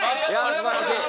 いやすばらしい！